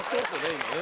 今ね。